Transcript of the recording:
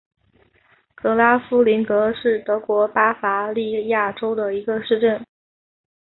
格拉夫林格是德国巴伐利亚州的一个市镇。